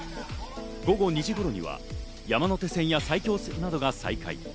午後２時頃には山手線や埼京線などが再開。